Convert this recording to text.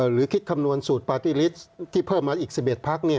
หรือคิดคำนวณสูตรปาร์ตี้ลิสต์ที่เพิ่มมาอีก๑๑พัก